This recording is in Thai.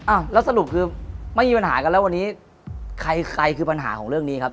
อ่ะแล้วสรุปคือไม่มีปัญหากันแล้ววันนี้ใครใครคือปัญหาของเรื่องนี้ครับ